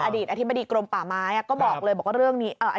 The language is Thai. อดีตอธิบดีกรมป่าไม้ก็บอกเลยบอกว่าเรื่องนี้